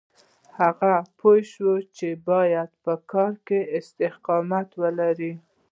هغه پوه شو چې بايد په کار کې استقامت ولري.